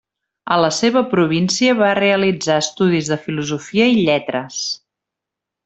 A la seva província va realitzar estudis de Filosofia i Lletres.